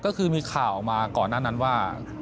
ก็คือมีข่าวออกมาก่อนหน้านั้นว่า